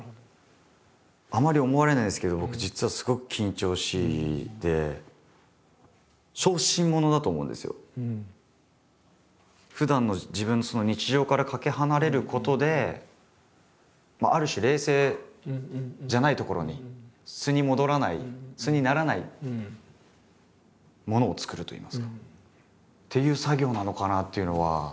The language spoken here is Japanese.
あんまり思われないんですけど僕実はふだんの自分の日常からかけ離れることである種冷静じゃないところに素に戻らない素にならないものを作るといいますか。っていう作業なのかなというのは。